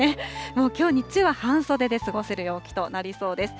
もうきょう日中は半袖で過ごせる陽気となりそうです。